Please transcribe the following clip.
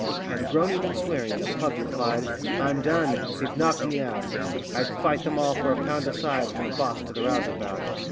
And, groaning and swearing, the pug replied: 'I'm done ... they've knocked me out! I'd fight them all for a pound a side, from the boss to the rouseabout.